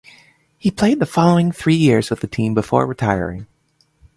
He played the following three years with the team before retiring.